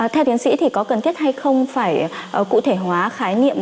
theo tiến sĩ thì có cần thiết hay không phải cụ thể hóa khái niệm